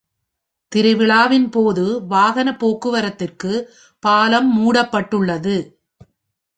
திருவிழாவின் போது வாகன போக்குவரத்துக்கு பாலம் மூடப்பட்டுள்ளது.